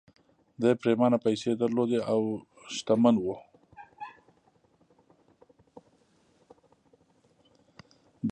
ده پرېمانه پيسې درلودې او شتمن و